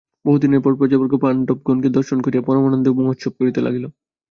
বহুদিনের পর প্রজাবর্গ পাণ্ডবগণকে দর্শন করিয়া পরমানন্দে মহোৎসব করিতে লাগিল।